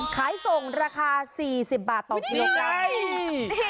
ขายส่งราคา๔๐บาทต่อกิโลกรัม